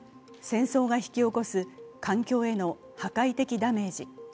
戦争が引き起こす環境への破壊的ダメージ。